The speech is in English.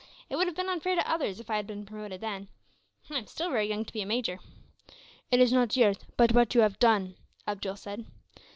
It would have been unfair to others if I had been promoted then. I am still very young to be a major." "It is not years, but what you have done," Abdool said.